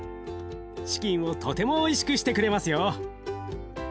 チキンをとてもおいしくしてくれますよ。